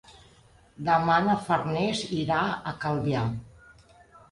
Demà na Farners irà a Calvià.